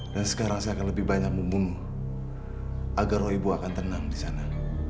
dan sekarang saya akan lebih banyak membunuh agar roh ibu akan tenang di sana